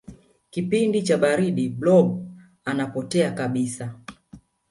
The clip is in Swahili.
kipindi cha baridi blob anapotea kabisa